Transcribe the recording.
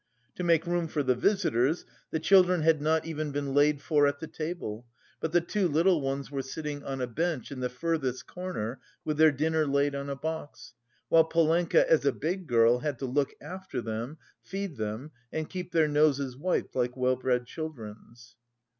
To make room for the visitors the children had not even been laid for at the table; but the two little ones were sitting on a bench in the furthest corner with their dinner laid on a box, while Polenka as a big girl had to look after them, feed them, and keep their noses wiped like well bred children's.